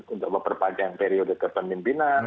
untuk memperpanjang periode kepemimpinan